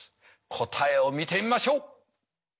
答えを見てみましょう！